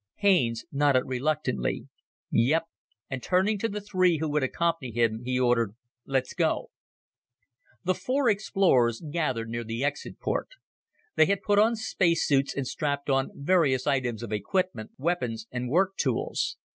Haines nodded reluctantly. "Yep," and turning to the three who would accompany him, he ordered, "let's go." The four explorers gathered near the exit port. They had put on space suits and strapped on various items of equipment, weapons and work tools.